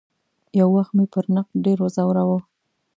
یو وخت مې پر نقد ډېر وځوراوه.